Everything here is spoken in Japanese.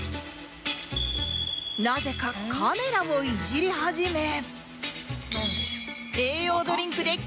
なぜかカメラをいじり始め